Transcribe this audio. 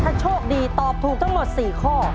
ถ้าโชคดีตอบถูกทั้งหมด๔ข้อ